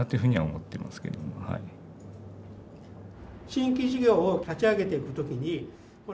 新規事業を立ち上げていく時に。